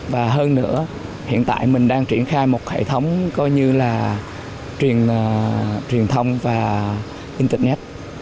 và hơn nữa hiện tại mình đang triển khai một hệ thống coi như là truyền thông và internet